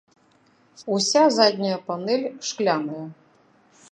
Уся задняя панэль шкляная.